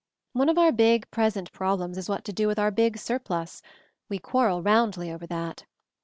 One of our big present prob lems is what to do with our big surplus; we quarrel roundly over that.